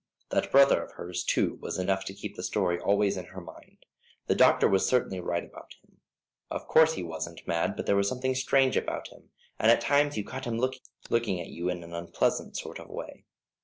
That brother of hers, too, was enough to keep the story always in her mind. The doctor was certainly right about him. Of course he wasn't mad, but there was something strange about him, and at times you caught him looking at you in an unpleasant sort of way.